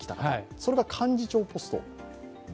それが幹事長ポスト。